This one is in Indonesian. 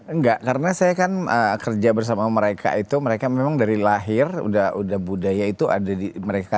enggak karena saya kan kerja bersama mereka itu mereka memang dari lahir udah budaya itu ada di mereka